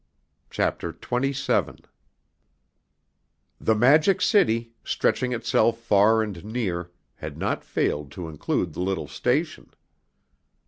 CHAPTER XXVII. The Magic City, stretching itself far and near, had not failed to include the little station.